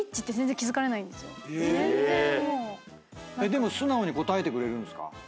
でも素直に答えてくれるんすか？